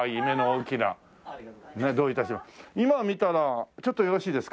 今見たらちょっとよろしいですか？